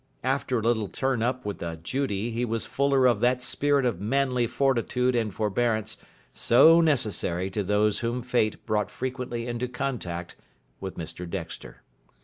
After a little turn up with a Judy he was fuller of that spirit of manly fortitude and forbearance so necessary to those whom Fate brought frequently into contact with Mr Dexter.